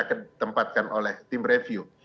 akan ditempatkan oleh tim review